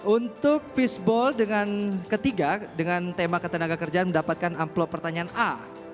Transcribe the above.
untuk fishball dengan ketiga dengan tema ketenaga kerjaan mendapatkan amplop pertanyaan a